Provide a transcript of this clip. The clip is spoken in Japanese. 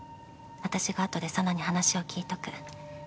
私があとで紗奈に話を聞いとく。